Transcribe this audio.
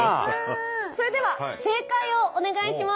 それでは正解をお願いします。